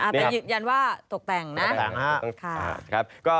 แต่ยืนยันว่าตกแต่งนะ